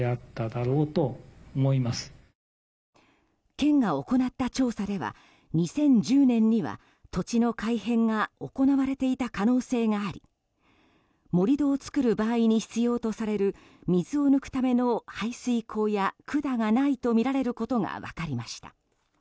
県が行った調査では２０１０年には土地の改変が行われていた可能性があり盛り土を作る場合に必要とされる水を抜くための排水溝や管がないとみられることが分かりました。